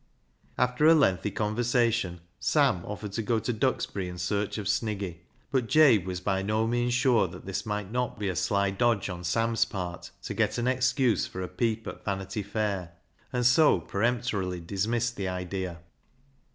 After a lengthy conversation, Sam offered to go to Duxbury in search of Sniggy, but Jabc SALLY'S REDEMPTJON 131 was by no means sure that this might not be a sly dodge on Sam's part to get an excuse for a peep at Vanity Fair, and so peremptorily dismissed the idea.